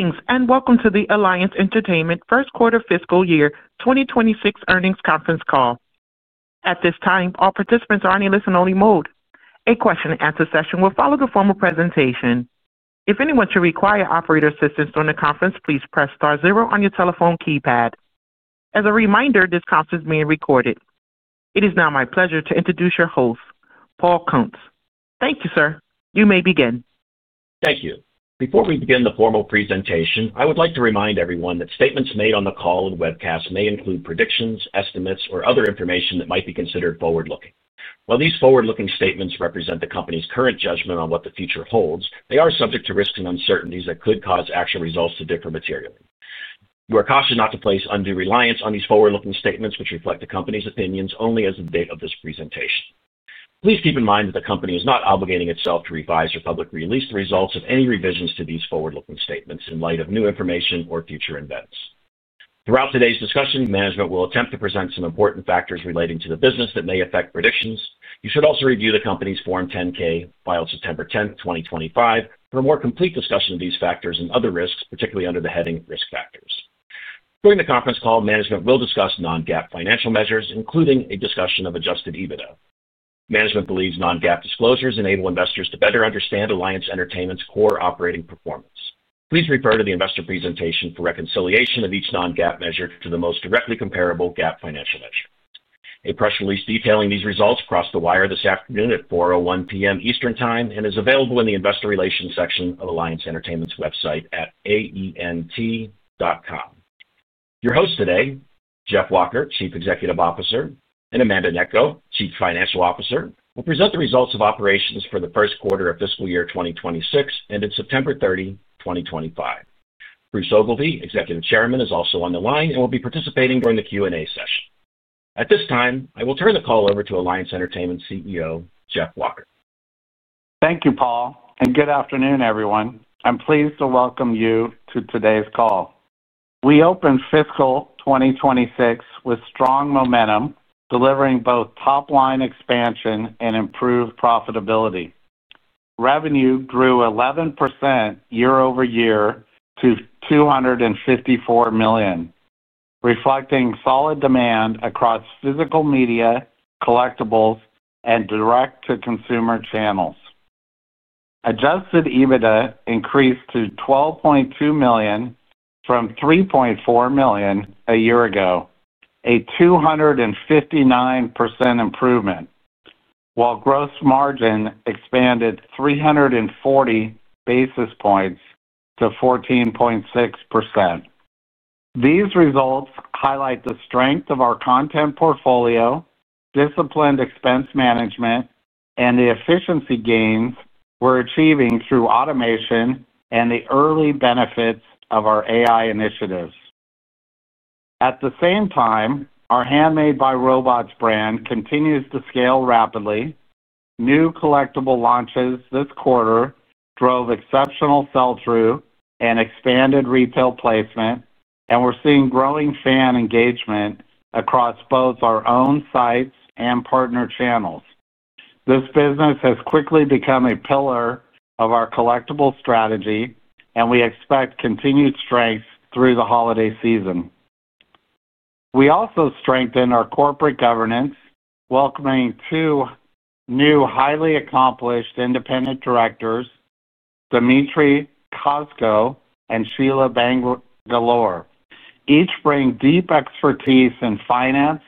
Greetings and welcome to the Alliance Entertainment First Quarter Fiscal Year 2026 Earnings Conference Call. At this time, all participants are on a listen-only mode. A question-and-answer session will follow the formal presentation. If anyone should require operator assistance during the conference, please press star zero on your telephone keypad. As a reminder, this conference is being recorded. It is now my pleasure to introduce your host, Paul Kuntz. Thank you, sir. You may begin. Thank you. Before we begin the formal presentation, I would like to remind everyone that statements made on the call and webcast may include Predictions, Estimates, or other Information that might be considered Forward-Looking. While these Forward-Looking Statements represent the company's current judgment on what the future holds, they are subject to Risks and Uncertainties that could cause actual results to differ materially. We are cautioned not to place undue reliance on these Forward-Looking Statements, which reflect the company's opinions only as of the date of this presentation. Please keep in mind that the company is not obligating itself to revise or publicly release the results of any revisions to these Forward-Looking Statements in light of new information or Future Events. Throughout today's discussion, management will attempt to present some important factors relating to the business that may affect predictions. You should also review the company's Form 10-K filed September 10, 2025, for a more complete discussion of these factors and other risks, particularly under the heading Risk Factors. During the conference call, management will discuss non-GAAP Financial Measures, including a discussion of Adjusted EBITDA. Management believes non-GAAP disclosures enable Investors to better understand Alliance Entertainment's core Operating Performance. Please refer to the investor presentation for reconciliation of each non-GAAP measure to the most directly comparable GAAP Financial Measure. A press release detailing these results crossed the wire this afternoon at 4:01 P.M. Eastern Time and is available in the investor relations section of Alliance Entertainment's website at aent.com. Your hosts today, Jeff Walker, Chief Executive Officer, and Amanda Gnecco, Chief Financial Officer, will present the results of operations for the first quarter of Fiscal Year 2026 ended September 30, 2025. Bruce Ogilvie, Executive Chairman, is also on the line and will be participating during the Q&A session. At this time, I will turn the call over to Alliance Entertainment CEO, Jeff Walker. Thank you, Paul, and good afternoon, everyone. I'm pleased to welcome you to today's call. We openedFFiscal 2026 with strong momentum, delivering both top-line Expansion and improved Profitability. Revenue grew 11% year-over-year to $254 million, reflecting solid demand across Physical Media, Collectibles, and Direct-to-Consumer Channels. Adjusted EBITDA increased to $12.2 million from $3.4 million a year ago, a 259% improvement, while Gross Margin expanded 340 basis points to 14.6%. These results highlight the strength of our Content Portfolio, disciplined Expense Management, and the Efficiency Gains we're achieving through automation and the early benefits of our AI Initiatives. At the same time, our Handmade by Robots Brand continues to scale rapidly. New Collectible launches this quarter drove exceptional sell-through and expanded retail placement, and we're seeing growing Fan Engagement across both our own sites and partner channels. This business has quickly become a pillar of our Collectible Strategy, and we expect continued strength through the Holiday Season. We also strengthened our Corporate Governance, welcoming two new highly accomplished Independent Directors, Dmitry Kosko and Sheila Bangalore, each bringing deep expertise in Finance,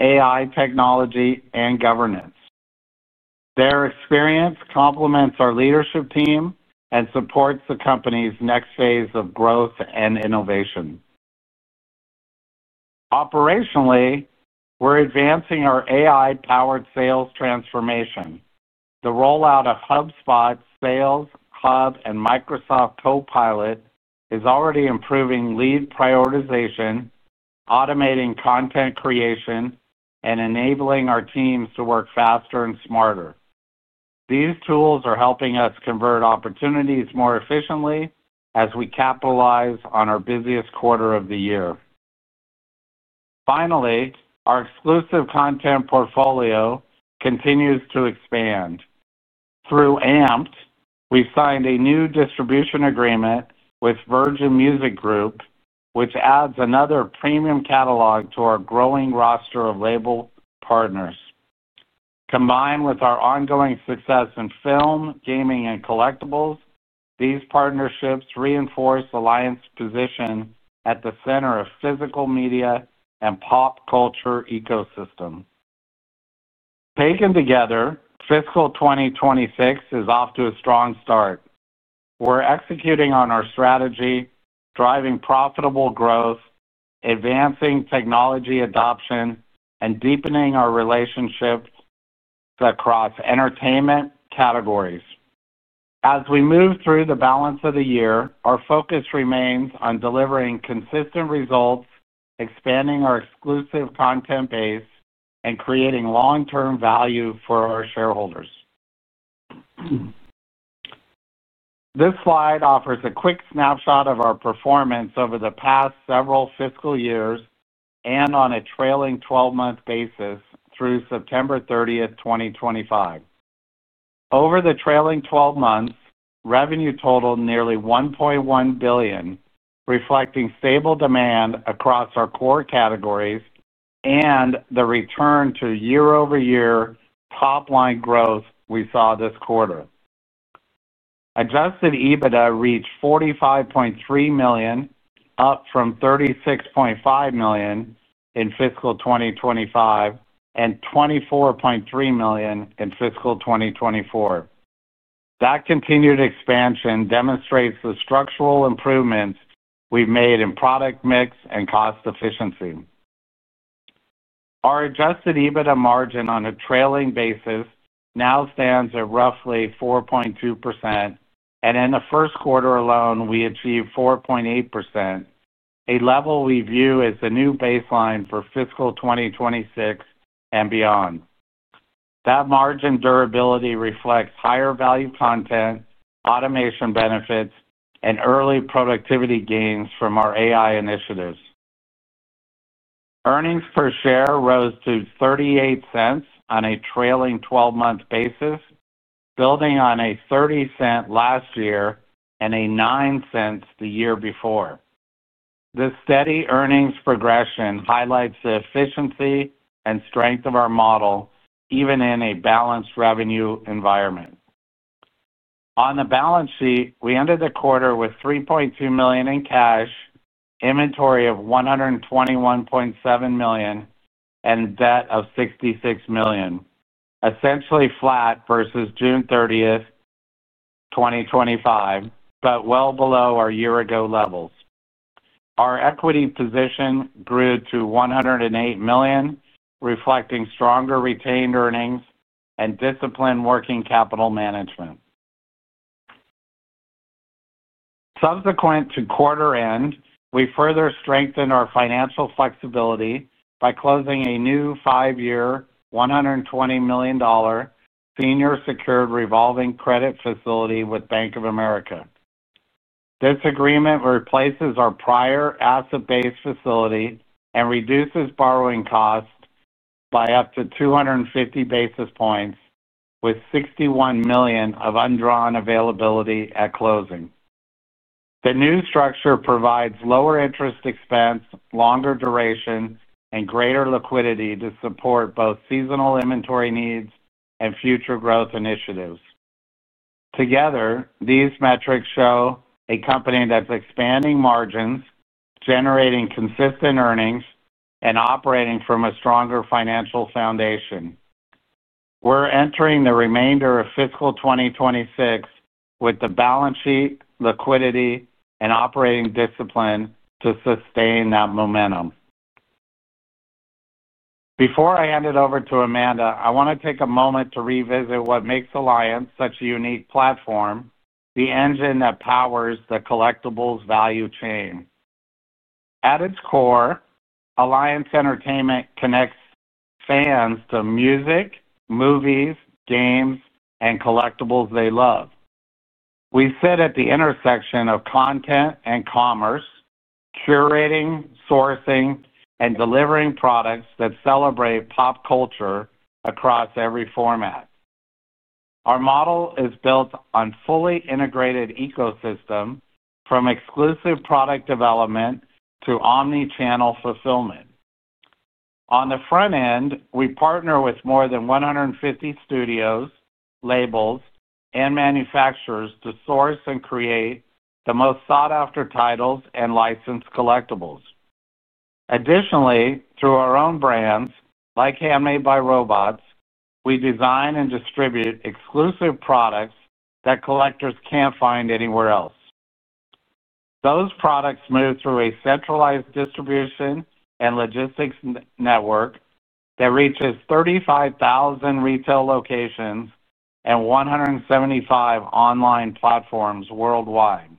AI Technology, and Governance. Their experience complements our Leadership Team and supports the company's next phase of growth and innovation. Operationally, we're advancing our AI-powered Sales Transformation. The rollout of HubSpot Sales Hub and Microsoft Copilot is already improving lead prioritization, automating Content Creation, and enabling our teams to work faster and smarter. These tools are helping us convert opportunities more efficiently as we capitalize on our busiest quarter of the year. Finally, our exclusive content portfolio continues to expand. Through AMPED, we've signed a new distribution agreement with Virgin Music Group, which adds another premium catalog to our growing roster of label partners. Combined with our ongoing success in Film, Gaming, and Collectibles, these partnerships reinforce Alliance's position at the center of Physical Media and Pop Culture Ecosystems. Taken together, Fiscal 2026 is off to a strong start. We're executing on our strategy, driving profitable growth, advancing technology adoption, and deepening our relationships across Entertainment Categories. As we move through the balance of the year, our focus remains on delivering consistent results, expanding our exclusive content base, and creating long-term value for our shareholders. This slide offers a quick snapshot of our performance over the past several Fiscal Years and on a trailing 12-month basis through September 30th, 2025. Over the trailing 12 months, revenue totaled nearly $1.1 billion, reflecting stable demand across our core categories and the return to year-over-year top-line growth we saw this quarter. Adjusted EBITDA reached $45.3 million, up from $36.5 million in Fiscal 2025 and $24.3 million in Fiscal 2024. That continued expansion demonstrates the structural improvements we have made in Product mix and Cost Efficiency. Our Adjusted EBITDA Margin on a trailing basis now stands at roughly 4.2%, and in the first quarter alone, we achieved 4.8%, a level we view as the new baseline for Fiscal 2026 and beyond. That Margin durability reflects higher value content, automation benefits, and early productivity gains from our AI Initiatives. Earnings per share rose to $0.38 on a trailing 12-month basis, building on a $0.30 last year and a $0.09 the year before. This steady earnings progression highlights the efficiency and strength of our model, even in a balanced Revenue Environment. On the Balance Sheet, we ended the quarter with $3.2 million in cash, inventory of $121.7 million, and debt of $66 million, essentially flat versus June 30th, 2025, but well below our year-ago levels. Our Equity Position grew to $108 million, reflecting stronger retained earnings and disciplined working capital management. Subsequent to quarter end, we further strengthened our Financial Flexibility by closing a new five-year, $120 million Senior Secured Revolving Credit Facility with Bank of America. This agreement replaces our prior Asset-Based facility and reduces Borrowing Costs by up to 250 basis points, with $61 million of undrawn availability at closing. The new structure provides lower Interest Expense, longer Duration, and greater Liquidity to support both Seasonal Inventory Needs and Future Growth Initiatives. Together, these metrics show a company that's expanding Margins, generating consistent Earnings, and operating from a stronger Financial Foundation. We're entering the remainder of Fiscal 2026 with the Balance Sheet, Liquidity, and Operating Discipline to sustain that momentum. Before I hand it over to Amanda, I want to take a moment to revisit what makes Alliance such a unique platform, the engine that powers the Collectibles value chain. At its core, Alliance Entertainment connects fans to Music, Movies, Games, and Collectibles they love. We sit at the intersection of Content and Commerce, Curating, Sourcing, and Delivering Products that celebrate Pop Culture across every format. Our model is built on a fully integrated Ecosystem, from exclusive Product Development to Omnichannel fulfillment. On the front end, we partner with more than 150 Studios, Labels, and Manufacturers to source and create the most sought-after titles and Licensed Collectibles. Additionally, through our own brands, like Handmade by Robots, we design and distribute exclusive products that collectors can't find anywhere else. Those products move through a Centralized Distribution and Logistics Network that reaches 35,000 Retail Locations and 175 Online Platforms worldwide.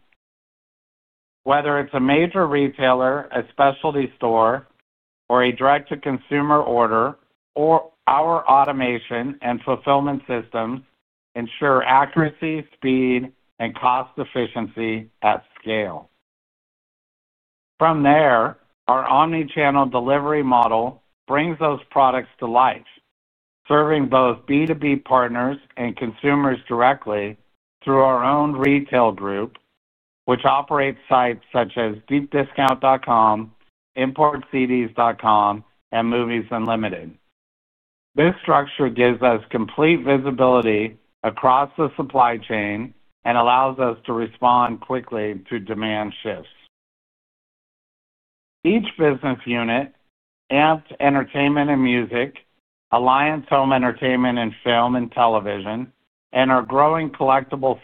Whether it's a major Retailer, a specialty Store, or a Direct-to-Consumer Order, our automation and fulfillment systems ensure Accuracy, Speed, and Cost Efficiency at scale. From there, our Omnichannel Delivery Model brings those products to life, serving both B2B Partners and consumers directly through our own Retail Group, which operates sites such as deepdiscount.com, importcds.com, and Movies Unlimited. This structure gives us complete visibility across the supply chain and allows us to respond quickly to demand shifts. Each business unit, AMPED Entertainment and Music, Alliance Home Entertainment and Film and Television, and our growing collectible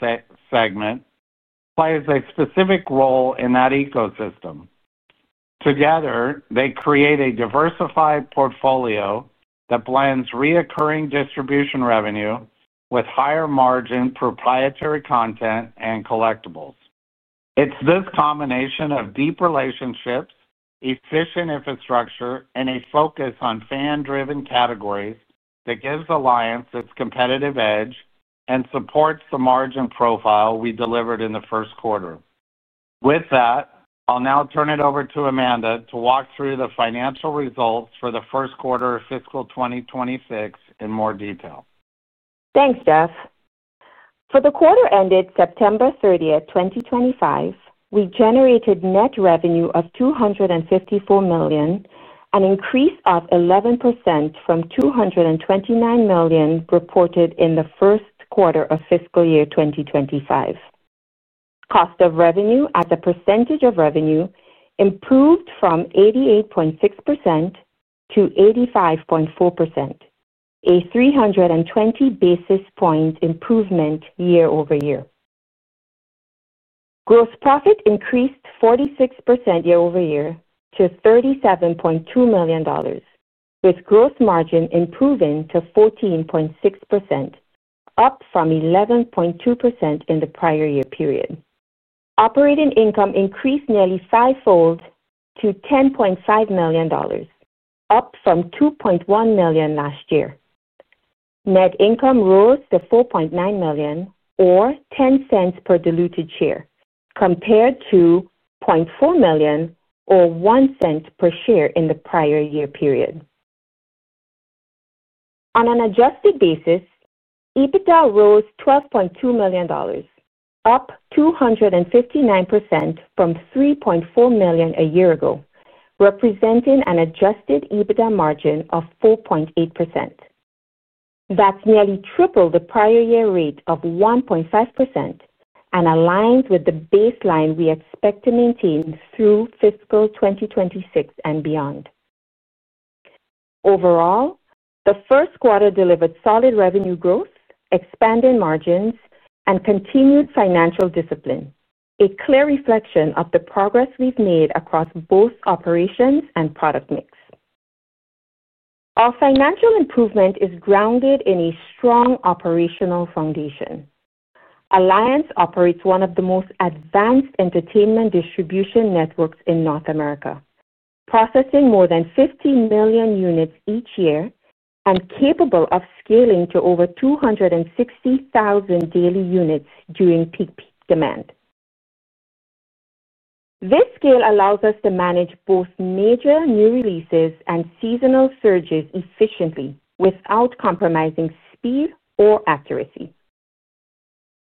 segment, plays a specific role in that Ecosystem. Together, they create a diversified portfolio that blends reoccurring Distribution Revenue with higher Margin proprietary Content and Collectibles. It's this combination of deep relationships, efficient infrastructure, and a focus on fan-driven categories that gives Alliance its competitive edge and supports the Margin Profile we delivered in the first quarter. With that, I'll now turn it over to Amanda to walk through the financial results for the first quarter of Fiscal 2026 in more detail. Thanks, Jeff. For the quarter ended September 30th, 2025, we generated Net Revenue of $254 million, an increase of 11% from $229 million reported in the first quarter of Fiscal Year 2025. Cost of revenue as a percentage of revenue improved from 88.6% to 85.4%, a 320 basis point improvement year-over-year. Gross Profit increased 46% year-over-year to $37.2 million, with Gross Margin improving to 14.6%, up from 11.2% in the prior year period. Operating Income increased nearly fivefold to $10.5 million, up from $2.1 million last year. Net Income rose to $4.9 million, or $0.10 per diluted share, compared to $0.4 million or $0.01 per share in the prior year period. On an Adjusted basis, EBITDA rose $12.2 million, up 259% from $3.4 million a year ago, representing an Adjusted EBITDA Margin of 4.8%. That's nearly triple the prior year rate of 1.5% and aligns with the baseline we expect to maintain through Fiscal 2026 and beyond. Overall, the first quarter delivered solid Revenue Growth, Expanded Margins, and continued Financial Discipline, a clear reflection of the progress we've made across both Operations and Product Mix. Our Financial Improvement is grounded in a strong Operational Foundation. Alliance operates one of the most Advanced Entertainment Distribution Networks in North America, processing more than 50 million units each year and capable of scaling to over 260,000 daily units during peak demand. This scale allows us to manage both major new releases and seasonal surges efficiently without compromising speed or accuracy.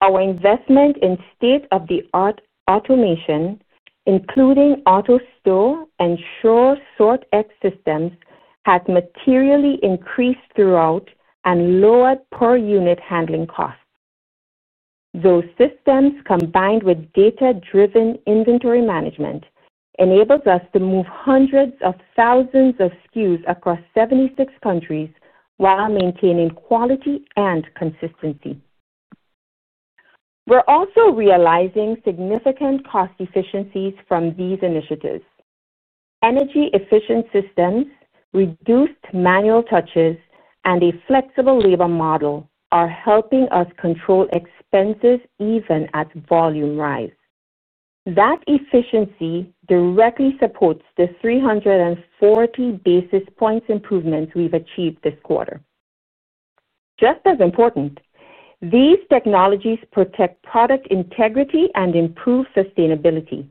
Our investment in state-of-the-art automation, including AutoStore and Sure Sort X Systems, has materially increased throughput and lowered per-unit handling costs. Those systems, combined with data-driven inventory management, enable us to move hundreds of thousands of SKUs across 76 Countries while maintaining Quality and Consistency. We're also realizing significant Cost Efficiencies from these initiatives. Energy-Efficient Systems, reduced Manual Touches, and a Flexible Labor Model are helping us control expenses even as Volumes Rise. That Efficiency directly supports the 340 basis points improvements we've achieved this quarter. Just as important, these technologies protect product integrity and improve sustainability,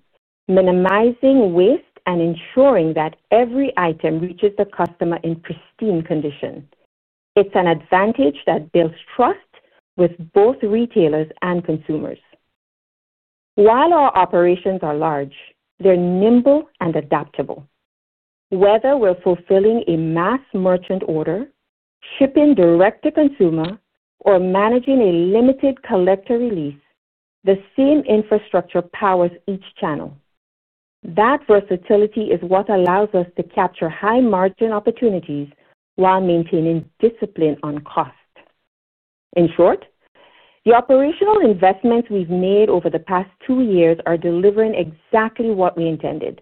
minimizing waste and ensuring that every item reaches the customer in pristine condition. It's an advantage that builds trust with both retailers and consumers. While our operations are large, they're nimble and adaptable. Whether we're fulfilling a mass merchant order, shipping direct to consumer, or managing a limited collector release, the same infrastructure powers each channel. That versatility is what allows us to capture high-Margin opportunities while maintaining discipline on cost. In short, the operational investments we've made over the past two years are delivering exactly what we intended: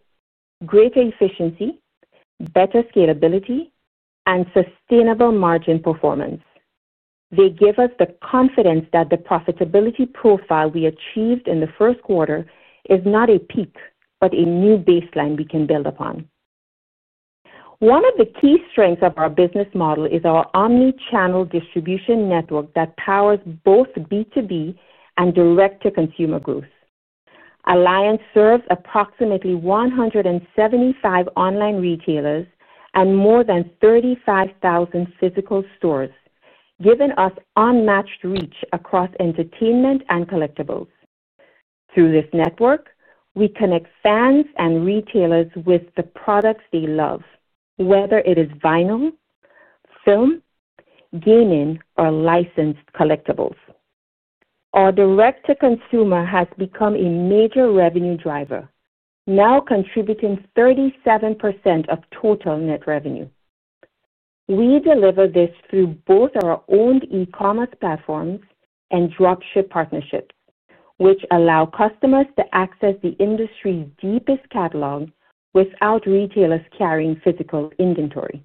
greater efficiency, better scalability, and sustainable Margin performance. They give us the confidence that the profitability profile we achieved in the first quarter is not a peak, but a new baseline we can build upon. One of the key strengths of our Business Model is our Omnichannel Distribution Network that powers both B2B and Direct-to-Consumer Growth. Alliance serves approximately 175 Online Retailers and more than 35,000 Physical Stores, giving us unmatched reach across Entertainment and Collectibles. Through this network, we connect Ffans and Retailers with the products they love, whether it is Vinyl, Film, Gaming, or Licensed Collectibles. Our Direct-to-Consumer has become a major revenue driver, now contributing 37% of total Net Revenue. We deliver this through both our owned E-commerce platforms and Dropship Partnerships, which allow customers to access the industry's deepest catalog without retailers carrying Physical Inventory.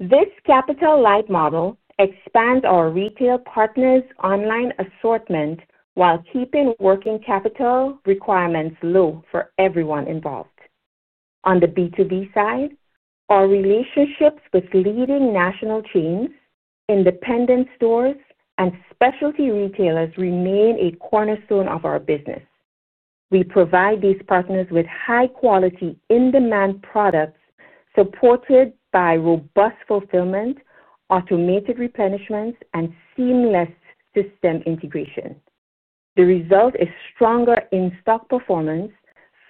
This Capital Light Model expands our retail partners' Online Assortment while keeping working capital requirements low for everyone involved. On the B2B side, our relationships with leading National Chains, Independent Stores, and Specialty Retailers remain a cornerstone of our business. We provide these partners with high-quality, in-demand products supported by Robust Fulfillment, Automated Replenishments, and Seamless System Integration. The result is stronger in-stock performance,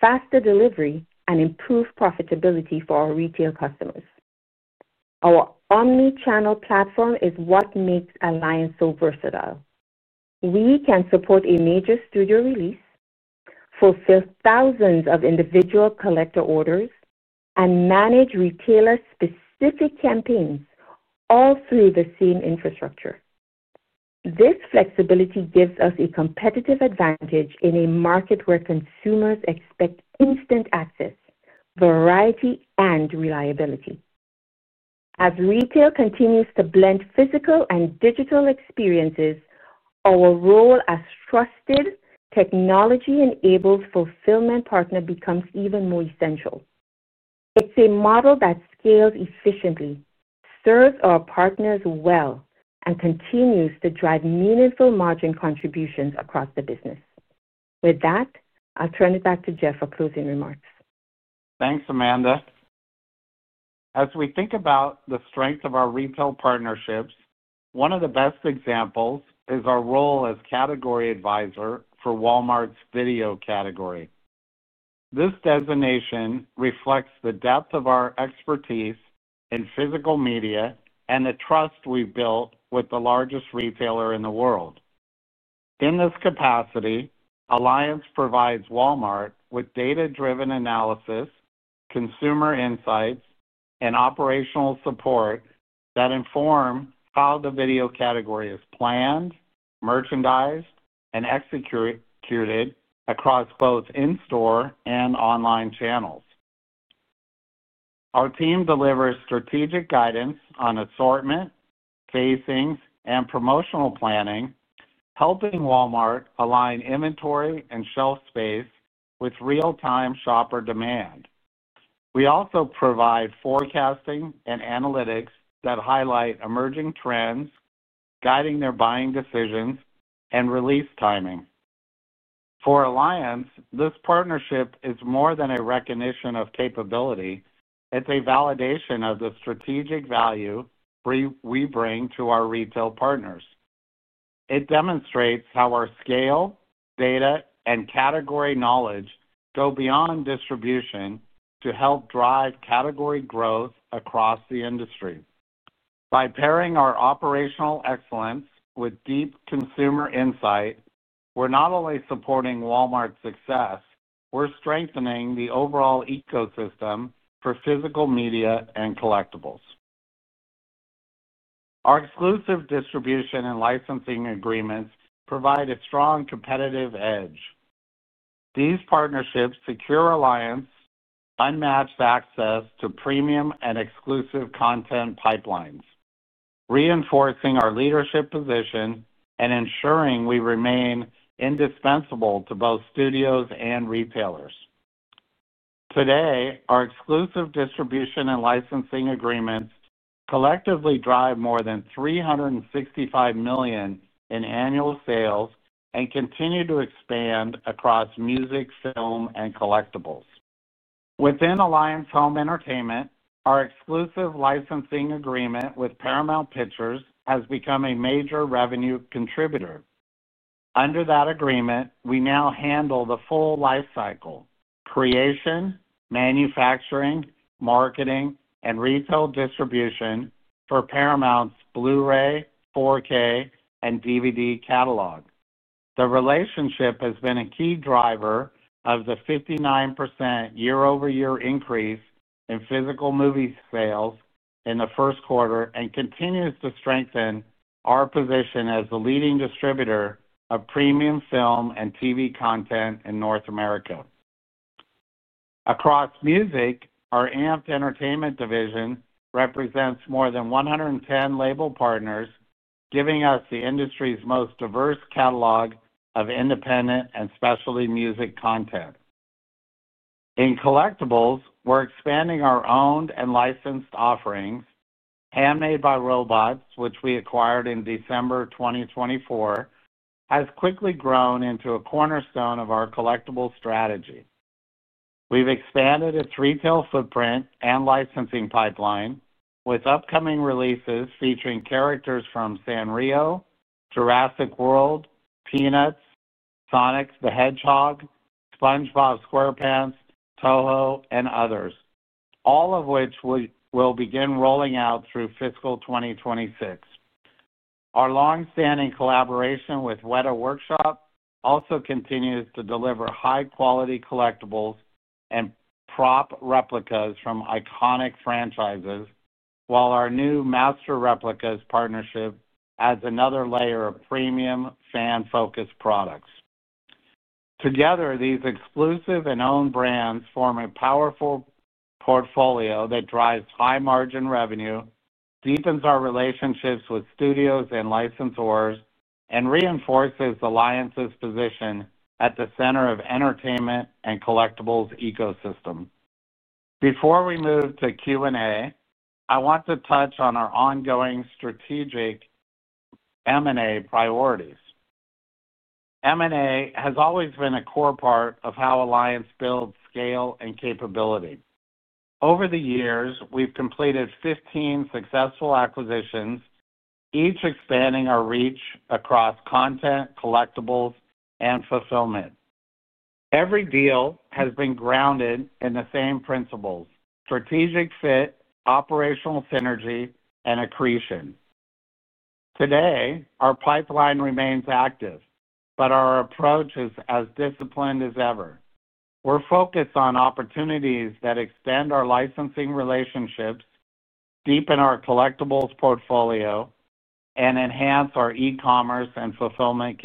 faster delivery, and improved profitability for our retail customers. Our Omnichannel Platform is what makes Alliance so versatile. We can support a major studio release, fulfill thousands of individual collector orders, and manage retailer-specific campaigns all through the same infrastructure. This flexibility gives us a competitive advantage in a market where consumers expect instant access, variety, and reliability. As retail continues to blend physical and digital experiences, our role as trusted, technology-enabled fulfillment partner becomes even more essential. It is a model that scales efficiently, serves our partners well, and continues to drive meaningful Margin contributions across the business. With that, I will turn it back to Jeff for closing remarks. Thanks, Amanda. As we think about the strength of our retail partnerships, one of the best examples is our role as Category Advisor for Walmart's Video Category. This designation reflects the depth of our expertise in Physical Media and the trust we've built with the Largest Retailer in the world. In this capacity, Alliance provides Walmart with Data-driven Analysis, Consumer Insights, and Operational Support that inform how the video category is Planned, Merchandised, and Executed across both in-Store and Online Channels. Our team delivers strategic guidance on Assortment, Casings, and Promotional Planning, helping Walmart align inventory and shelf space with real-time shopper demand. We also provide forecasting and analytics that highlight emerging trends, guiding their buying decisions and release timing. For Alliance, this partnership is more than a recognition of capability. It's a validation of the strategic value we bring to our Retail Partners. It demonstrates how our scale, data, and category knowledge go beyond distribution to help drive category growth across the industry. By pairing our operational excellence with deep consumer insight, we're not only supporting Walmart's success, we're strengthening the overall ecosystem for Physical Media and Collectibles. Our exclusive distribution and licensing agreements provide a strong competitive edge. These partnerships secure Alliance unmatched access to premium and exclusive content pipelines, reinforcing our leadership position and ensuring we remain indispensable to both studios and retailers. Today, our exclusive distribution and licensing agreements collectively drive more than $365 million in Annual Sales and continue to expand across Music, Film, and Collectibles. Within Alliance Home Entertainment, our exclusive licensing agreement with Paramount Pictures has become a major revenue contributor. Under that agreement, we now handle the full life cycle: creation, manufacturing, marketing, and retail distribution for Paramount's Blu-ray, 4K, and DVD Catalog. The relationship has been a key driver of the 59% year-over-year increase in Physical Movie Sales in the first quarter and continues to strengthen our position as the leading distributor of Premium Film and TV Content in North America. Across music, our AMPED Entertainment division represents more than 110 Label Partners, giving us the industry's most diverse catalog of independent and specialty Music Content. In Collectibles, we're expanding our owned and licensed offerings. Handmade by Robots, which we acquired in December 2024, has quickly grown into a cornerstone of our Collectible Strategy. We've expanded its Retail Footprint and licensing pipeline, with upcoming releases featuring characters from Sanrio, Jurassic World, Peanuts, Sonic the Hedgehog, SpongeBob SquarePants, Toho, and others, all of which will begin rolling out through Fiscal 2026. Our long-standing collaboration with Wētā Workshop also continues to deliver high-quality Collectibles and Prop Replicas from Iconic Franchises, while our new Master Replicas Partnership adds another layer of Premium Fan-Focused Products. Together, these exclusive and owned brands form a powerful portfolio that drives high-Margin revenue, deepens our relationships with studios and licensors, and reinforces Alliance's position at the center of the entertainment and Collectibles Ecosystem. Before we move to Q&A, I want to touch on our ongoing strategic M&A priorities. M&A has always been a core part of how Alliance builds scale and capability. Over the years, we've completed 15 successful acquisitions, each expanding our reach across Content, Collectibles, and Fulfillment. Every deal has been grounded in the same principles: strategic fit, operational synergy, and accretion. Today, our pipeline remains active, but our approach is as disciplined as ever. We're focused on opportunities that extend our licensing relationships, deepen our Collectibles portfolio, and enhance our E-commerce and fulfillment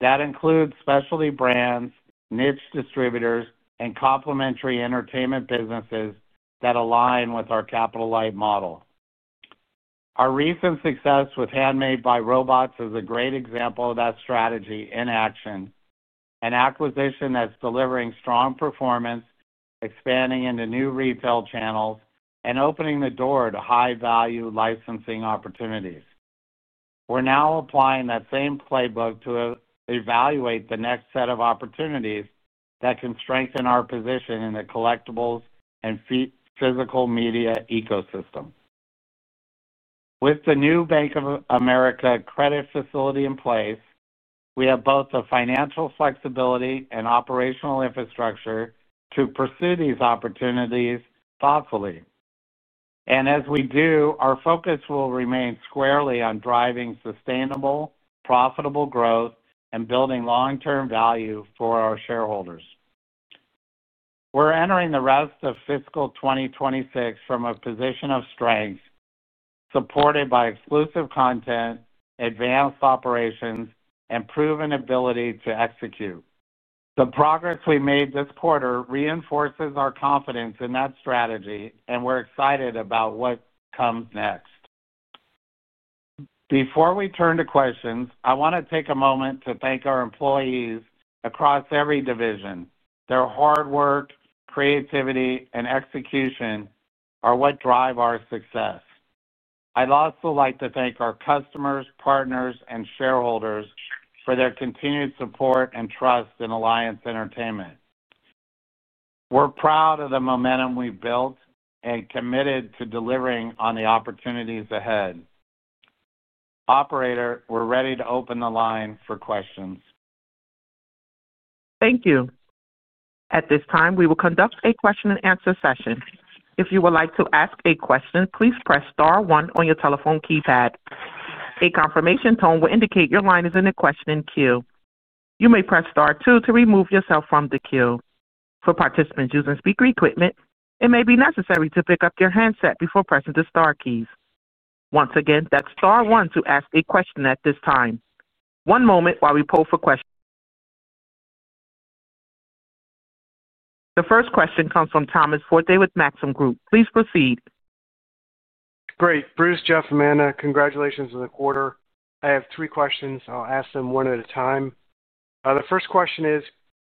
capabilities. That includes specialty brands, niche distributors, and complementary entertainment businesses that align with our Capital Light Model. Our recent success with Handmade by Robots is a great example of that strategy in action, an acquisition that's delivering strong performance, expanding into new retail channels, and opening the door to high-value Licensing Opportunities. We're now applying that same playbook to evaluate the next set of opportunities that can strengthen our position in the Collectibles and Physical Media Ecosystem. With the new Bank of America Credit Facility in place, we have both the Financial Flexibility and Operational Infrastructure to pursue these opportunities thoughtfully. Our focus will remain squarely on driving sustainable, profitable growth and building long-term value for our shareholders. We're entering the rest of Fiscal 2026 from a position of strength, supported by exclusive content, advanced operations, and proven ability to execute. The progress we made this quarter reinforces our confidence in that strategy, and we're excited about what comes next. Before we turn to questions, I want to take a moment to thank our employees across every division. Their hard work, creativity, and execution are what drive our success. I'd also like to thank our customers, partners, and shareholders for their continued support and trust in Alliance Entertainment. We're proud of the momentum we've built and committed to delivering on the opportunities ahead. Operator, we're ready to open the line for questions. Thank you. At this time, we will conduct a question-and-answer session. If you would like to ask a question, please press star one on your telephone keypad. A confirmation tone will indicate your line is in the question queue. You may press star two to remove yourself from the queue. For participants using speaker equipment, it may be necessary to pick up your handset before pressing the star keys. Once again, that's star one to ask a question at this time. One moment while we poll for questions. The first question comes from Tom Forte with Maxim Group. Please proceed. Great. Bruce, Jeff, Amanda, congratulations on the quarter. I have three questions. I'll ask them one at a time. The first question is,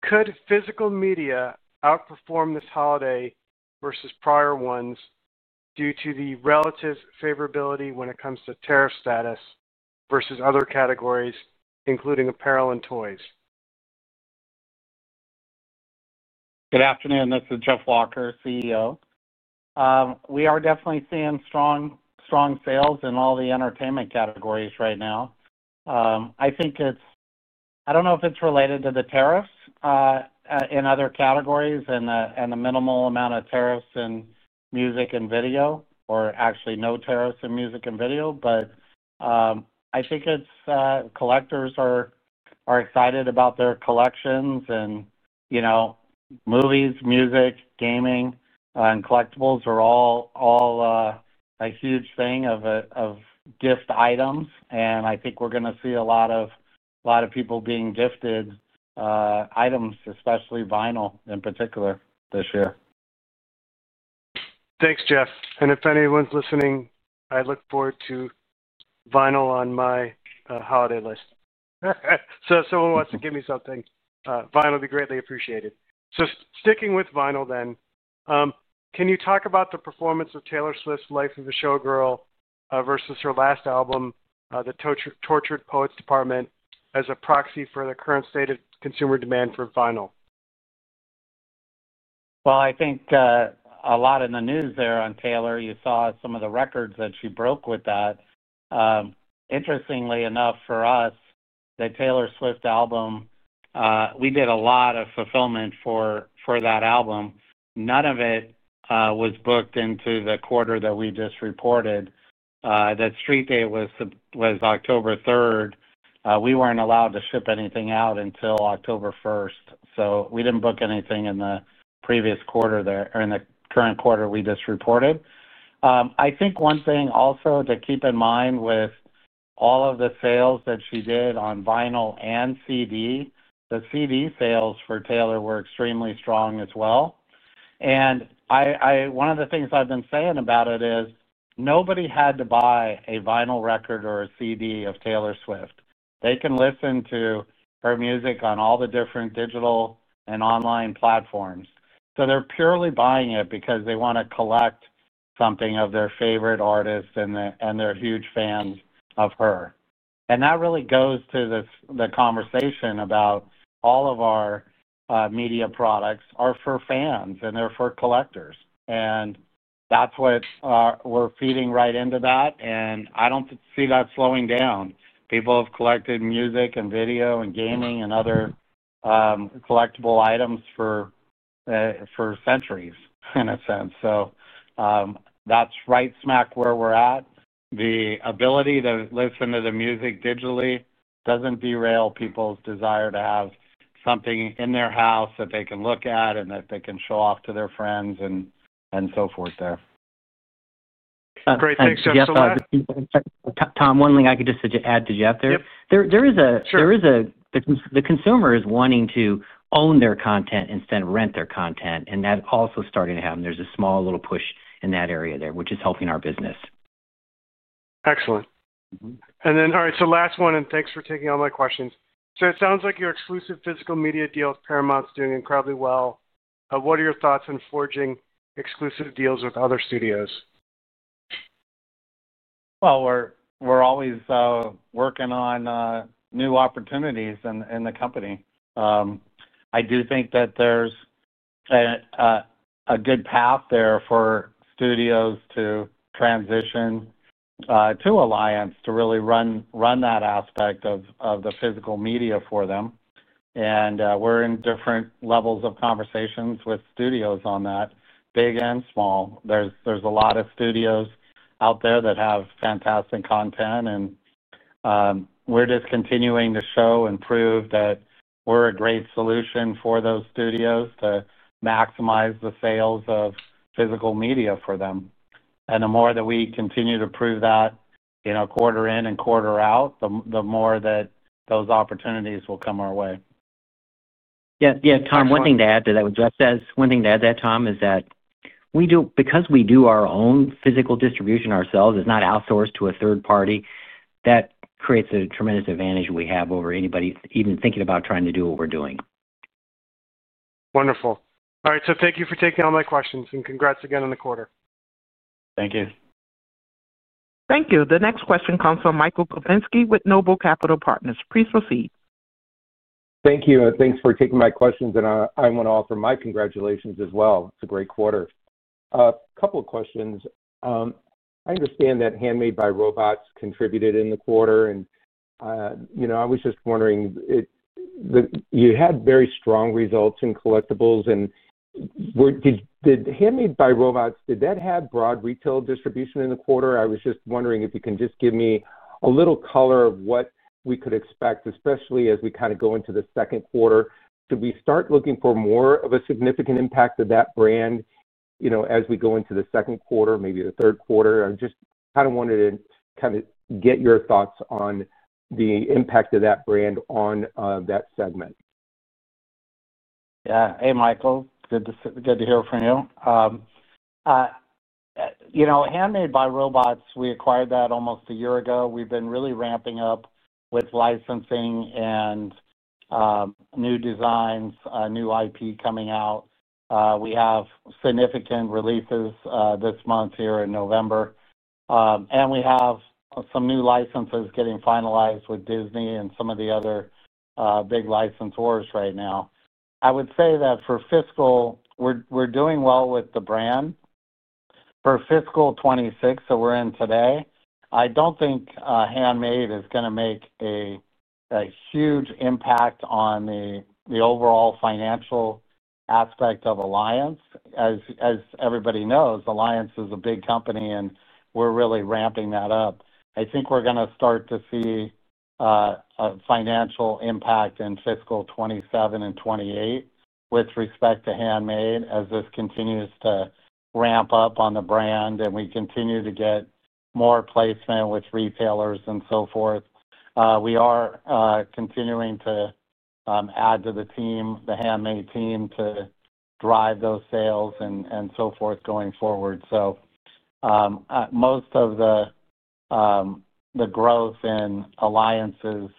could Physical Media outperform this holiday versus prior ones due to the relative favorability when it comes to tariff status versus other categories, including Apparel and Toys? Good afternoon. This is Jeff Walker, CEO. We are definitely seeing strong sales in all the entertainment categories right now. I do not know if it is related to the tariffs in other categories and the minimal amount of tariffs in music and video, or actually no tariffs in music and video, but I think collectors are excited about their collections. Movies, Music, Gaming, and Collectibles are all a huge thing of gift items. I think we are going to see a lot of people being gifted items, especially Vinyl in particular, this year. Thanks, Jeff. If anyone's listening, I look forward to Vinyl on my holiday list. If someone wants to give me something, Vinyl would be greatly appreciated. Sticking with Vinyl then, can you talk about the performance of Taylor Swift's Life of a Showgirl versus her last album, The Tortured Poets Department, as a proxy for the current state of Consumer Demand for Vinyl? I think a lot in the news there on Taylor, you saw some of the records that she broke with that. Interestingly enough for us, the Taylor Swift Album, we did a lot of fulfillment for that album. None of it was booked into the quarter that we just reported. The street date was October 3rd. We were not allowed to ship anything out until October 1st. We did not book anything in the previous quarter or in the current quarter we just reported. I think one thing also to keep in mind with all of the sales that she did on Vinyl and CD, the CD Sales for Taylor were extremely strong as well. One of the things I have been saying about it is nobody had to buy a Vinyl Record or a CD of Taylor Swift. They can listen to her music on all the different Digital and Online Platforms. They are purely buying it because they want to collect something of their favorite artists and they are huge fans of her. That really goes to the conversation about all of our media products are for fans and they are for collectors. That is what we are feeding right into. I do not see that slowing down. People have collected music and video and gaming and other collectible items for centuries in a sense. That is right smack where we are at. The ability to listen to the music digitally does not derail people's desire to have something in their house that they can look at and that they can show off to their friends and so forth there. Great. Thanks, Jeff. Tom, one thing I could just add to Jeff there. There is a consumer is wanting to own their content instead of rent their content. That is also starting to happen. There is a small little push in that area there, which is helping our business. Excellent. All right, so last one, and thanks for taking all my questions. It sounds like your exclusive Physical Media deal with Paramount's doing incredibly well. What are your thoughts on forging exclusive deals with other studios? We're always working on new opportunities in the company. I do think that there's a good path there for studios to transition to Alliance to really run that aspect of the Physical Media for them. We're in different levels of conversations with studios on that, big and small. There's a lot of studios out there that have fantastic content. We're just continuing to show and prove that we're a great solution for those studios to maximize the sales of Physical Media for them. The more that we continue to prove that quarter in and quarter out, the more that those opportunities will come our way. Yeah. Tom, one thing to add to that, what Jeff says, one thing to add to that, Tom, is that because we do our own Physical Distribution ourselves, it is not outsourced to a third party, that creates a tremendous advantage we have over anybody even thinking about trying to do what we are doing. Wonderful. All right. Thank you for taking all my questions. Congrats again on the quarter. Thank you. Thank you. The next question comes from Michael Kupinski with NOBLE Capital Markets. Please proceed. Thank you. Thank you for taking my questions. I want to offer my congratulations as well. It is a great quarter. A couple of questions. I understand that Handmade by Robots contributed in the quarter. I was just wondering, you had very strong results in Collectibles. Did Handmade by Robots, did that have broad Retail Distribution in the quarter? I was just wondering if you can just give me a little color of what we could expect, especially as we go into the second quarter. Should we start looking for more of a significant impact of that brand as we go into the second quarter, maybe the third quarter? I just wanted to get your thoughts on the impact of that brand on that segment. Yeah. Hey, Michael. Good to hear from you. Handmade by Robots, we acquired that almost a year ago. We've been really ramping up with licensing and new designs, new IP coming out. We have significant releases this month here in November. We have some new licenses getting finalized with Disney and some of the other big licensors right now. I would say that for Fiscal, we're doing well with the brand. For Fiscal 2026 that we're in today, I don't think Handmade is going to make a huge impact on the overall financial aspect of Alliance. As everybody knows, Alliance is a big company, and we're really ramping that up. I think we're going to start to see a financial impact in Fiscal 2027 and 2028 with respect to Handmade as this continues to ramp up on the brand and we continue to get more placement with retailers and so forth. We are continuing to add to the team, the Handmade team, to drive those sales and so forth going forward. Most of the growth in Alliance's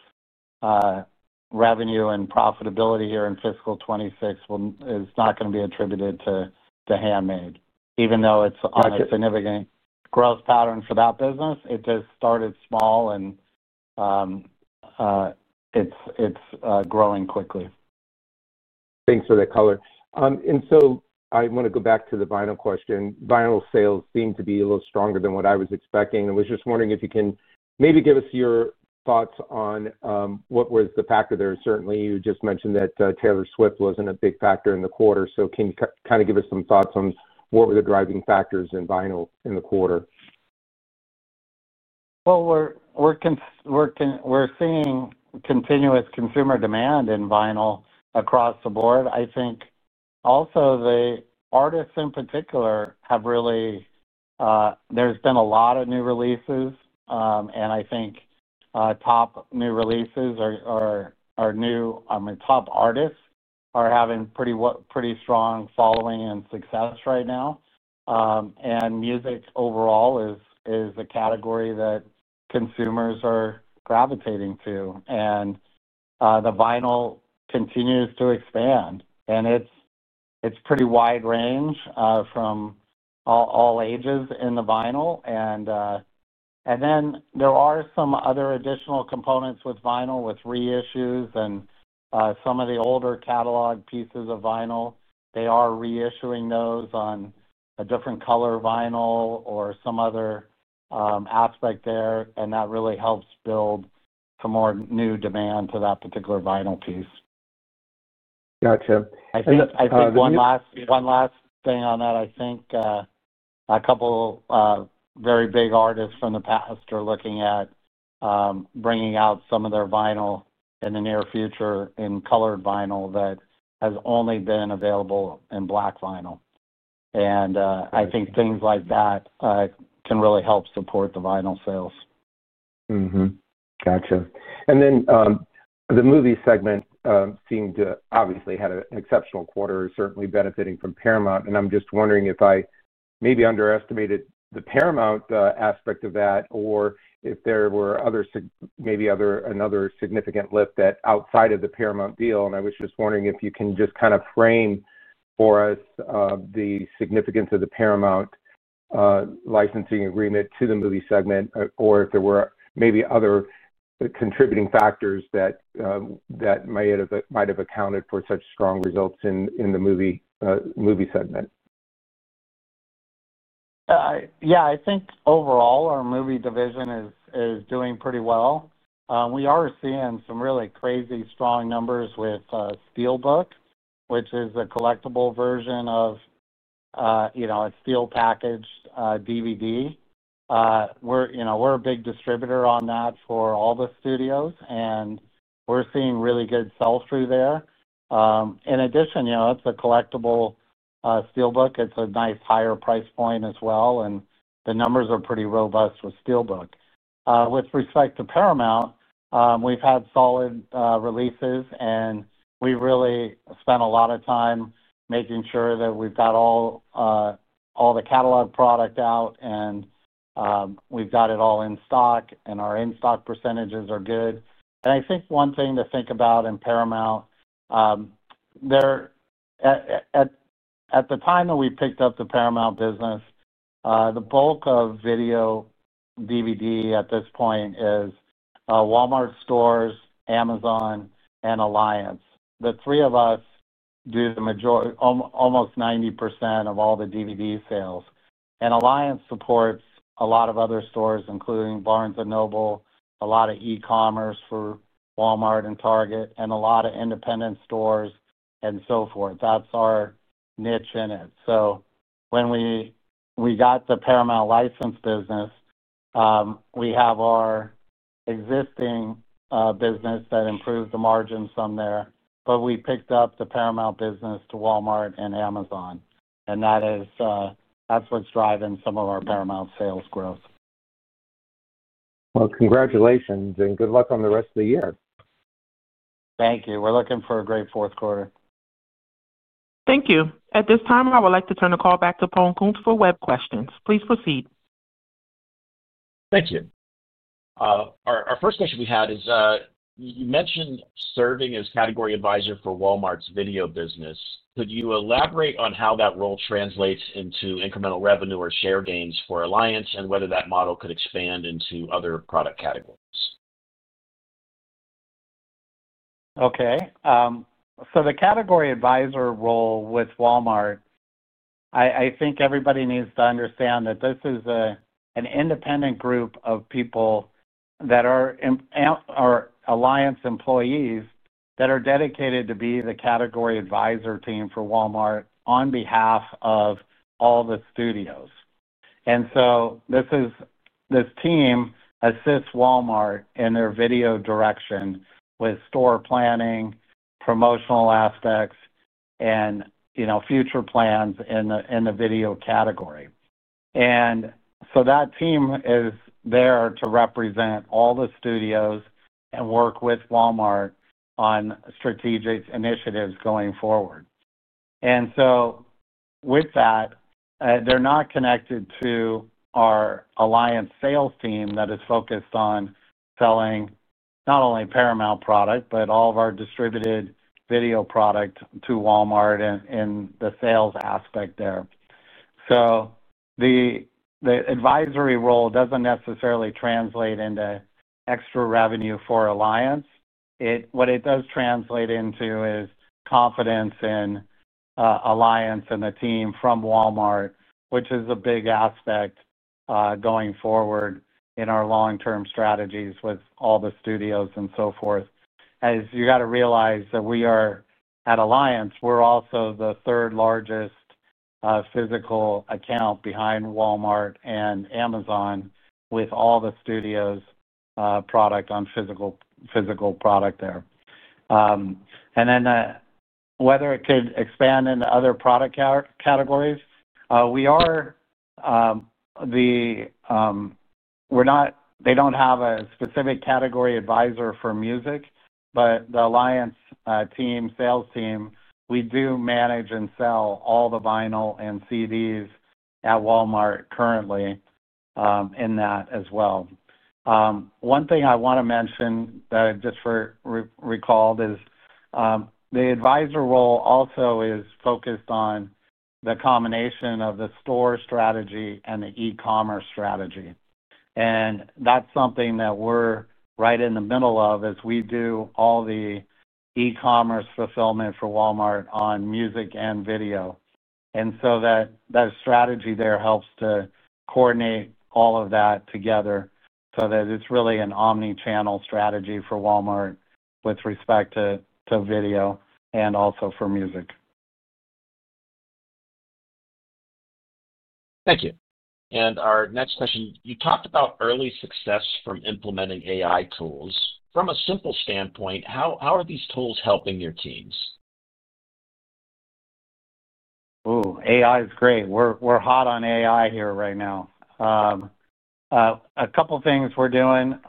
revenue and profitability here in Fiscal 2026 is not going to be attributed to Handmade, even though it's on a significant growth pattern for that business. It just started small, and it's growing quickly. Thanks for that, Color. I want to go back to the Vinyl question. Vinyl Sales seem to be a little stronger than what I was expecting. I was just wondering if you can maybe give us your thoughts on what was the factor there. Certainly, you just mentioned that Taylor Swift was not a big factor in the quarter. Can you kind of give us some thoughts on what were the driving factors in Vinyl in the quarter? We're seeing continuous consumer demand in Vinyl across the board. I think also the artists in particular have really—there's been a lot of new releases. I think top new releases or new—I mean, top artists are having pretty strong following and success right now. Music overall is a category that consumers are gravitating to. The Vinyl continues to expand. It's a pretty wide range from all ages in the Vinyl. There are some other additional components with Vinyl with reissues and some of the older catalog pieces of Vinyl. They are reissuing those on a different color Vinyl or some other aspect there. That really helps build some more new demand to that particular Vinyl piece. Gotcha. I think one last thing on that. I think a couple of very big artists from the past are looking at bringing out some of their Vinyl in the near future in colored Vinyl that has only been available in black Vinyl. I think things like that can really help support the Vinyl sales. Gotcha. Then the Movie Segment seemed to obviously had an exceptional quarter, certainly benefiting from Paramount. I'm just wondering if I maybe underestimated the Paramount aspect of that or if there were maybe another significant lift outside of the Paramount deal. I was just wondering if you can just kind of frame for us the significance of the Paramount Licensing Agreement to the movie segment or if there were maybe other contributing factors that might have accounted for such strong results in the Movie Segment. Yeah. I think overall our movie division is doing pretty well. We are seeing some really crazy strong numbers with SteelBook, which is a collectible version of a Steel packaged DVD. We're a big Distributor on that for all the Studios. We're seeing really good sell-through there. In addition, it's a collectible SteelBook. It's a nice higher price point as well. The numbers are pretty robust with SteelBook. With respect to Paramount, we've had solid releases. We really spent a lot of time making sure that we've got all the catalog product out. We've got it all in stock. Our in-stock percentages are good. I think one thing to think about in Paramount, at the time that we picked up the Paramount business, the bulk of video DVD at this point is Walmart Stores, Amazon, and Alliance. The three of us do almost 90% of all the DVD Sales. Alliance supports a lot of other stores, including Barnes & Noble, a lot of E-commerce for Walmart and Target, and a lot of independent stores and so forth. That's our niche in it. When we got the Paramount License Business, we have our existing business that improved the Margins from there. We picked up the Paramount Business to Walmart and Amazon. That's what's driving some of our Paramount Sales growth. Congratulations. And good luck on the rest of the year. Thank you. We're looking for a great fourth quarter. Thank you. At this time, I would like to turn the call back to Paul Kuntz for web questions. Please proceed. Thank you. Our first question we had is, you mentioned serving as Category Advisor for Walmart's Video Business. Could you elaborate on how that role translates into incremental revenue or share gains for Alliance and whether that model could expand into other product categories? Okay. The category advisor role with Walmart, I think everybody needs to understand that this is an independent group of people that are Alliance Employees that are dedicated to be the category advisor team for Walmart on behalf of all the studios. This team assists Walmart in their Video Direction with Store Planning, Promotional Aspects, and Future Plans in the Video Category. That team is there to represent all the studios and work with Walmart on strategic initiatives going forward. With that, they're not connected to our Alliance Sales Team that is focused on selling not only Paramount Product, but all of our distributed video product to Walmart and the sales aspect there. The advisory role does not necessarily translate into extra revenue for Alliance. What it does translate into is confidence in Alliance and the Team from Walmart, which is a big aspect going forward in our long-term strategies with all the studios and so forth. As you got to realize that we are at Alliance, we're also the third largest physical account behind Walmart and Amazon with all the studios' product on physical product there. Whether it could expand into other product categories, we are the—they do not have a specific Category Advisor for music, but the Alliance team Sales Team, we do manage and sell all the Vinyl and CDs at Walmart currently in that as well. One thing I want to mention just for recall is the advisor role also is focused on the combination of the store strategy and the E-commerce Strategy. That's something that we're right in the middle of as we do all the E-commerce Fulfillment for Walmart on Music and Video. That strategy there helps to coordinate all of that together so that it's really an Omnichannel Strategy for Walmart with respect to video and also for music. Thank you. Our next question, you talked about early success from implementing AI Tools. From a simple standpoint, how are these tools helping your teams? Ooh, AI is great. We're hot on AI here right now. A couple of things we're doing.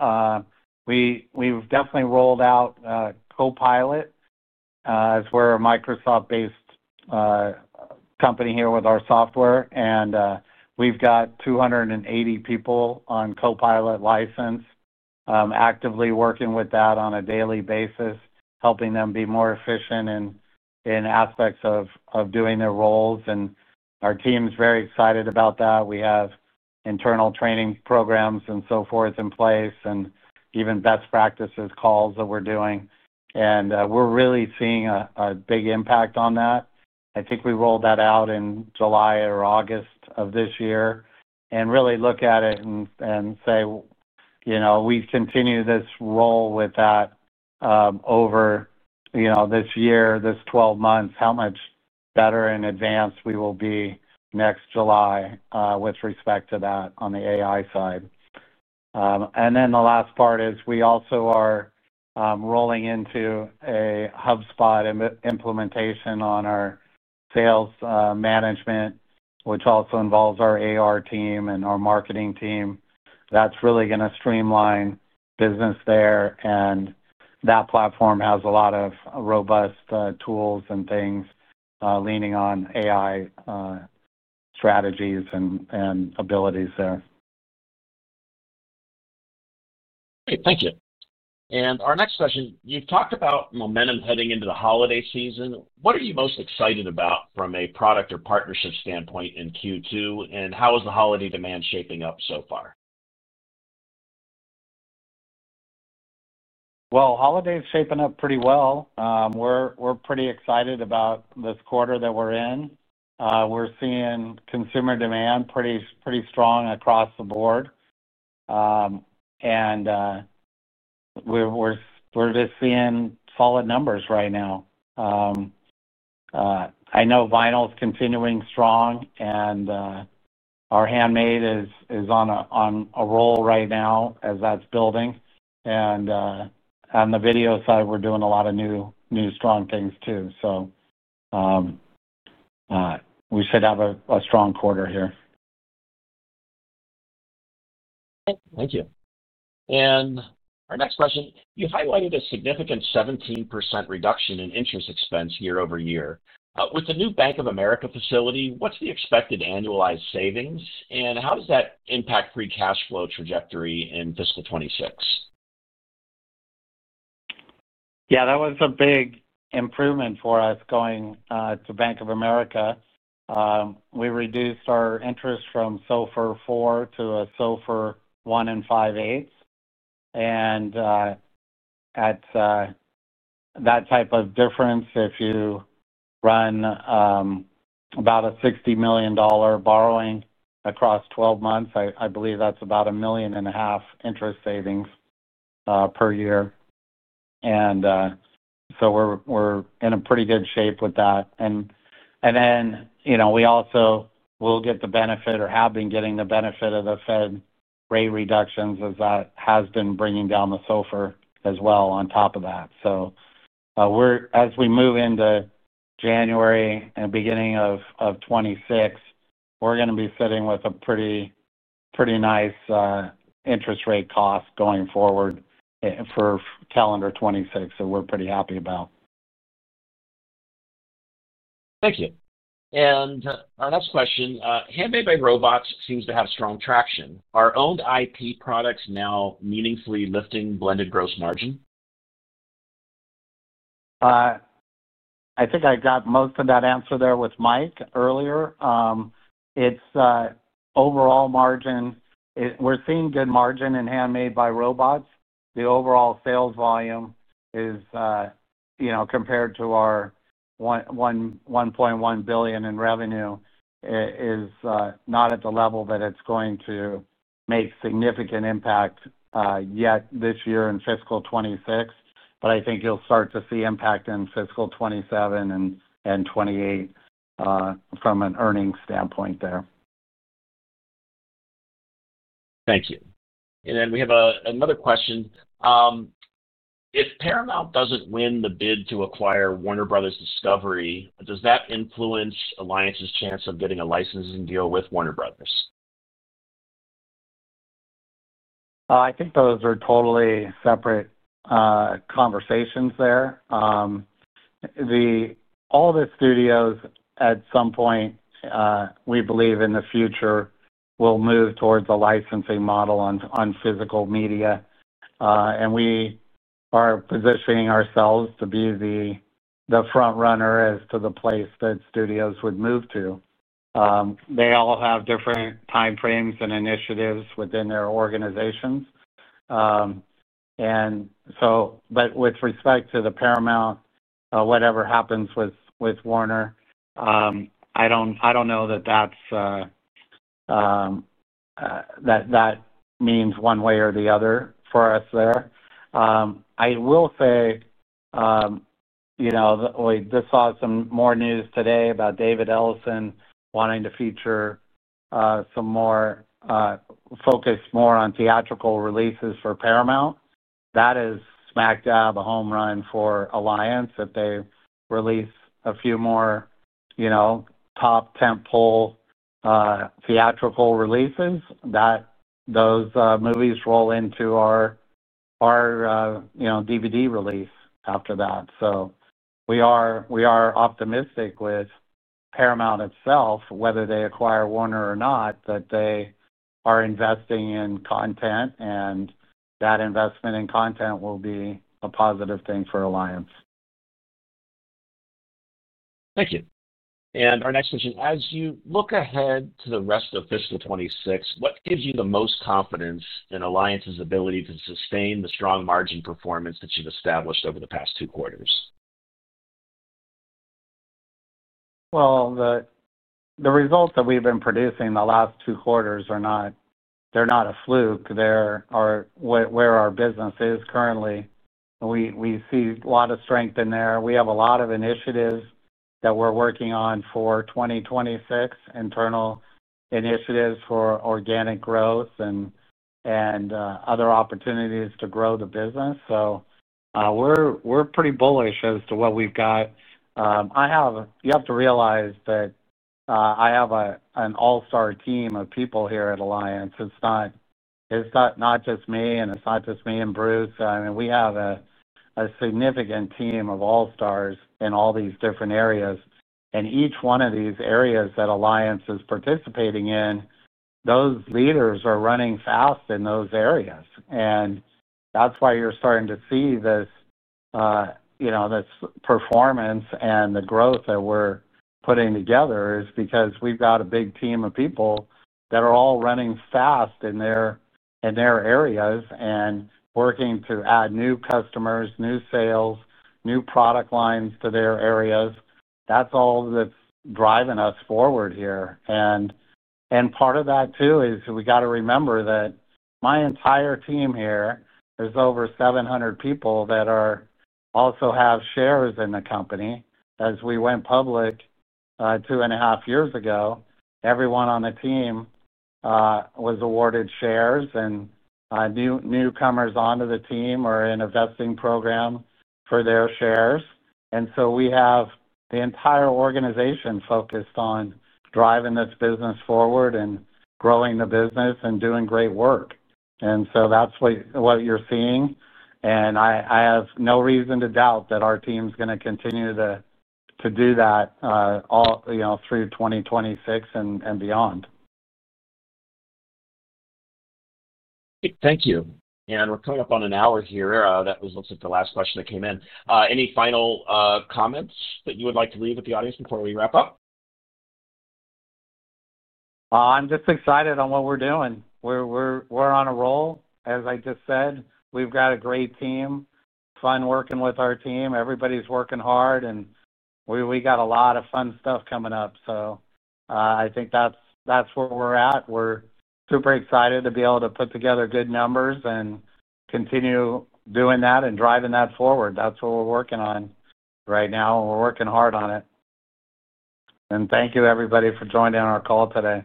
We've definitely rolled out Copilot as we're a Microsoft-based company here with our software. We've got 280 people on Copilot License, actively working with that on a daily basis, helping them be more efficient in aspects of doing their roles. Our team is very excited about that. We have internal training programs and so forth in place and even best practices calls that we're doing. We're really seeing a big impact on that. I think we rolled that out in July or August of this year and really look at it and say, "We've continued this role with that over this year, this 12 months, how much better in advance we will be next July with respect to that on the AI side." The last part is we also are rolling into a HubSpot implementation on our sales management, which also involves our AR Team and our Marketing Team. That is really going to streamline business there. That platform has a lot of robust tools and things leaning on AI Strategies and abilities there. Great. Thank you. Our next question, you've talked about momentum heading into the Holiday Season. What are you most excited about from a product or partnership standpoint in Q2? How is the Holiday demand shaping up so far? Holiday is shaping up pretty well. We're pretty excited about this quarter that we're in. We're seeing Consumer Demand pretty strong across the board. We're just seeing solid numbers right now. I know Vinyl is continuing strong. Our Handmade is on a roll right now as that's building. On the video side, we're doing a lot of new strong things too. We should have a strong quarter here. Thank you. Our next question, you highlighted a significant 17% reduction in Interest Expense year-over-year. With the new Bank of America Facility, what's the expected Annualized Savings? How does that impact free cash flow trajectory in Fiscal 2026? Yeah. That was a big improvement for us going to Bank of America. We reduced our interest from SOFR 4 to SOFR 1 and 5/8. That type of difference, if you run about a $60 million borrowing across 12 months, I believe that's about $1,500,000 Interest Savings per year. We're in pretty good shape with that. We also will get the benefit or have been getting the benefit of the Fed Rate Reductions as that has been bringing down the SOFR as well on top of that. As we move into January and the beginning of 2026, we're going to be sitting with a pretty nice interest rate cost going forward for calendar 2026 that we're pretty happy about. Thank you. Our next question, Handmade by Robots seems to have strong traction. Are owned IP Products now meaningfully lifting blended Gross Margin? I think I got most of that answer there with Mike earlier. It's overall Margin. We're seeing good Margin in Handmade by Robots. The overall sales volume is compared to our $1.1 billion in revenue is not at the level that it's going to make significant impact yet this year in Fiscal 2026. I think you'll start to see impact in Fiscal 2027 and 2028 from an earnings standpoint there. Thank you. Then we have another question. If Paramount does not win the bid to acquire Warner Bros. Discovery, does that influence Alliance's chance of getting a licensing deal with Warner Bros? I think those are totally separate conversations there. All the studios, at some point, we believe in the future, will move towards a licensing model on Physical Media. We are positioning ourselves to be the front runner as to the place that studios would move to. They all have different time frames and initiatives within their organizations. With respect to Paramount, whatever happens with Warner, I do not know that that means one way or the other for us there. I will say this, awesome more news today about David Ellison wanting to feature some more focus more on theatrical releases for Paramount. That is smack dab a home run for Alliance if they release a few more Top 10 pull Theatrical releases. Those movies roll into our DVD release after that. We are optimistic with Paramount itself, whether they acquire Warner or not, that they are investing in content. That investment in content will be a positive thing for Alliance. Thank you. Our next question, as you look ahead to the rest of Fiscal 2026, what gives you the most confidence in Alliance's ability to sustain the strong Margin performance that you've established over the past two quarters? The results that we've been producing the last two quarters, they're not a fluke. They're where our business is currently. We see a lot of strength in there. We have a lot of initiatives that we're working on for 2026, internal initiatives for organic growth and other opportunities to grow the business. We're pretty bullish as to what we've got. You have to realize that I have an all-star team of people here at Alliance. It's not just me and it's not just me and Bruce. I mean, we have a significant team of all stars in all these different areas. Each one of these areas that Alliance is participating in, those leaders are running fast in those areas. That is why you're starting to see this performance and the growth that we're putting together is because we've got a big team of people that are all running fast in their areas and working to add new customers, new sales, new product lines to their areas. That is all that's driving us forward here. Part of that too is we got to remember that my entire team here, there's over 700 people that also have shares in the company. As we went public two and a half years ago, everyone on the team was awarded shares. Newcomers onto the team are in a vesting program for their shares. We have the entire organization focused on driving this business forward and growing the business and doing great work. That is what you're seeing. I have no reason to doubt that our team is going to continue to do that through 2026 and beyond. Thank you. We're coming up on an hour here. That looks like the last question that came in. Any final comments that you would like to leave with the audience before we wrap up? I'm just excited on what we're doing. We're on a roll. As I just said, we've got a great team. Fun working with our team. Everybody's working hard. We got a lot of fun stuff coming up. I think that's where we're at. We're super excited to be able to put together good numbers and continue doing that and driving that forward. That's what we're working on right now. We're working hard on it. Thank you, everybody, for joining our call today.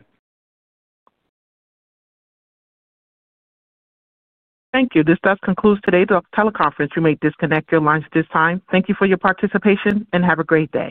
Thank you. This does conclude today's teleconference. You may disconnect your lines at this time. Thank you for your participation and have a great day.